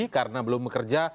karena belum bekerja